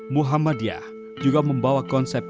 muhammadiyah juga membawa konsep